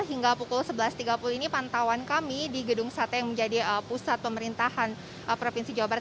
hingga pukul sebelas tiga puluh ini pantauan kami di gedung sate yang menjadi pusat pemerintahan provinsi jawa barat